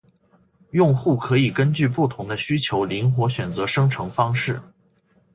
用户可以根据不同的需求灵活选择生成方式